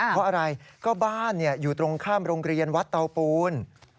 เพราะอะไรก็บ้านอยู่ตรงข้ามโรงเรียนวัดเตาปูน